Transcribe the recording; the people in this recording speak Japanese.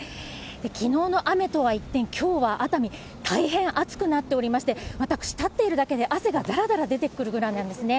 きのうの雨とは一転、きょうは熱海、大変暑くなっておりまして、私、立っているだけで、私汗がだらだら出てくるぐらいなんですね。